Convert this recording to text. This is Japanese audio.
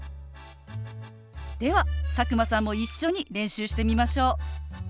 では佐久間さんも一緒に練習してみましょう。